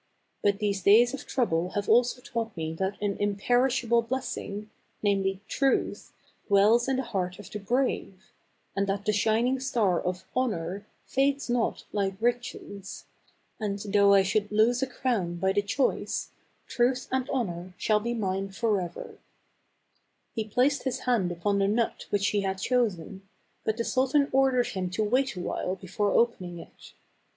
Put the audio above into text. But these days of trouble have also taught me that an imperishable blessing, namely, 1 Truth/ dwells in the heart of the brave ; and that the shining star of ' Honor ' fades not like ' Riches/ And though I should lose a crown by the choice, ' Truth and Honor ' shall be mine forever/' He placed his hand upon the nut which he had chosen; but the sultan ordered him to wait a while before opening it.